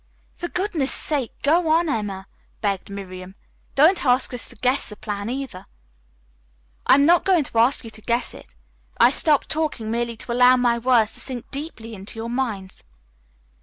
"For goodness' sake, go on, Emma," begged Miriam. "Don't ask us to guess the plan, either." "I'm not going to ask you to guess it. I stopped talking merely to allow my words to sink deeply into your minds.